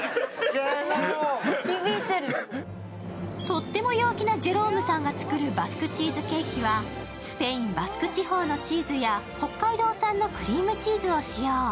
とっても陽気なジェロームさんが作るバスクチーズケーキはスペイン・バスク地方のチーズや北海道産のクリームチーズを使用。